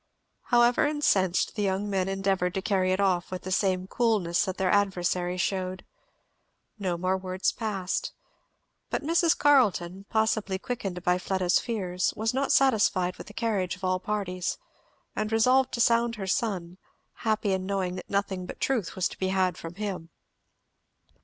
However incensed, the young men endeavoured to carry it off with the same coolness that their adversary shewed. No more words passed. But Mrs. Carleton, possibly quickened by Fleda's fears, was not satisfied with the carriage of all parties, and resolved to sound her son, happy in knowing that nothing but truth was to be had from him.